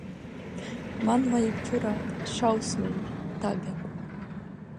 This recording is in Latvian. Man vajag čurāt. Šausmīgi. Tagad.